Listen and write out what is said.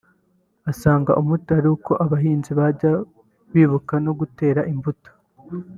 Asanga umuti ari uko abahinzi bajya bibuka no gutera imbuto